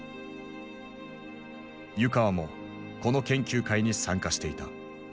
湯川もこの研究会に参加していた。